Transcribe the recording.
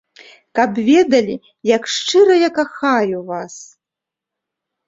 Каб ведалі, як шчыра я кахаю вас.